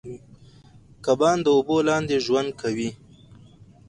کبان د اوبو لاندې ژوند کوي